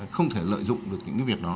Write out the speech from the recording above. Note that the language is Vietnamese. không thể lợi dụng được những việc đó